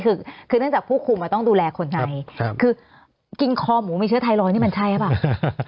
คือคือเนื่องจากผู้คุมต้องดูแลคนไทยคือกินคอหมูมีเชื้อไทรอยดนี่มันใช่หรือเปล่า